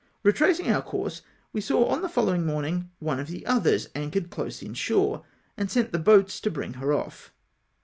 Eetracing our course, we saw on the followino; mornino; one of the others anchored close in shore, and sent the boats to bring her off.